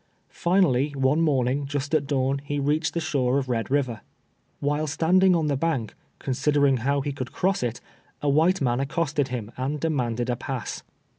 Finally, one morning, just at dawn, he reached the shore of Red Kiver. "While standing on the bank, considering how he could cross it, a white man accosted him, and de manded a pass.